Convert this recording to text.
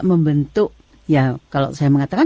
membentuk ya kalau saya mengatakan